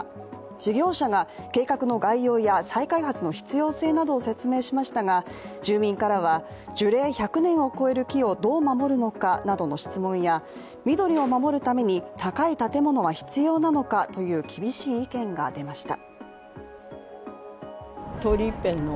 事業者が、計画の概要や再開発の必要性などを説明しましたが住民からは、樹齢１００年を超える木をどう守るのかなどの質問や緑を守るために高い建物は必要なのかという厳しい意見が出ました。